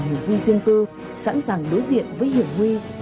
gặp lại nhiều người huy riêng cư sẵn sàng đối diện với hiểu huy